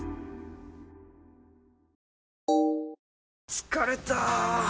疲れた！